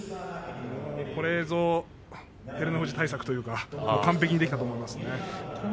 これは照ノ富士対策が完璧にできたと思いますね。